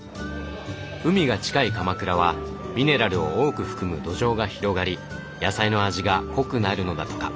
海が近い鎌倉はミネラルを多く含む土壌が広がり野菜の味が濃くなるのだとか。